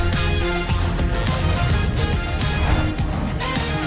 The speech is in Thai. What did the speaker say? เปิดปากกับภาคภูมิ